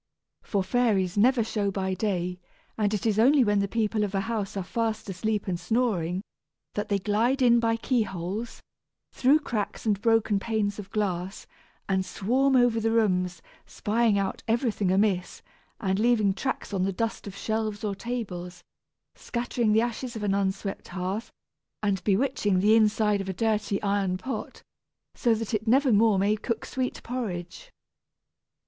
For fairies never show by day, and it is only when the people of a house are fast asleep and snoring, that they glide in by key holes, through cracks and broken panes of glass, and swarm over the rooms, spying out everything amiss, and leaving tracks on the dust of shelves or tables, scattering the ashes of an unswept hearth, and bewitching the inside of a dirty iron pot, so that it never more may cook sweet porridge!